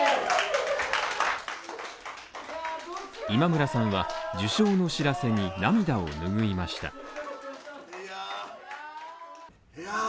今村さんは受賞の知らせに涙をぬぐいました。